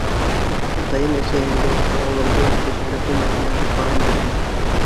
Атайым-әсәйемде, ауылымды, кешеләр донъяһын үлеп һағындым!